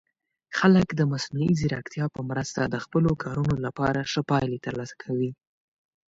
خلک د مصنوعي ځیرکتیا په مرسته د خپلو کارونو لپاره ښه پایلې ترلاسه کوي.